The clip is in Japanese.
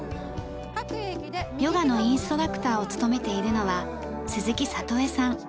ヨガのインストラクターを務めているのは鈴木里枝さん。